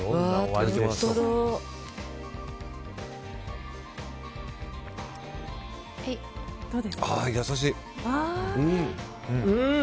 ああ、優しい！